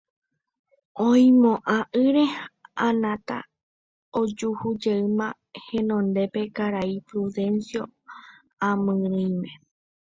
oimo'ã'ỹre Anata ojuhujeýma henondépe karai Prudencio amyrỹime